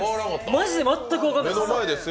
マジで全く分からないです。